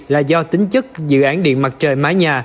là do tính chất dự án điện mặt trời mái nhà